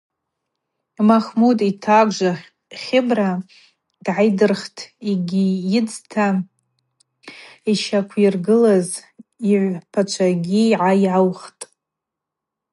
Махӏмуд йтагвжва Хьыбра дгӏайдырхтӏ йгьи йыдзта йщаквйыргылыз йыгӏвпачвагьи гӏайаухтӏ.